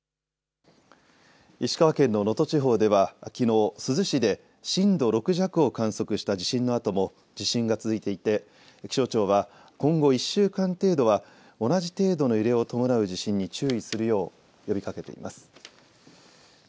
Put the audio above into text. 石川県の能登地方ではきのう珠洲市で震度６弱を観測した地震のあとも地震が続いていて気象庁は今後１週間程度は同じ程度の揺れを伴う地震に注意するよう呼びかけています。